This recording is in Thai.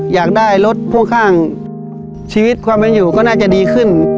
อยากได้รถพ่วงข้างชีวิตความเป็นอยู่ก็น่าจะดีขึ้น